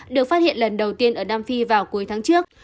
được phát hiện lần đầu tiên ở nam phi vào cuối tháng trước